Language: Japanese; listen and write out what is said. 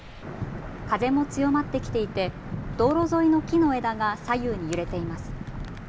風も強まってきていて道路沿いの木の枝が左右に揺れています。